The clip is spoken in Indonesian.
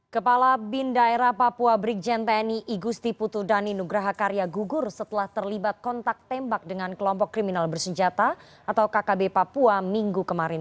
kepala bin daerah papua brigjen tni igusti putu dhani nugraha karya gugur setelah terlibat kontak tembak dengan kelompok kriminal bersenjata atau kkb papua minggu kemarin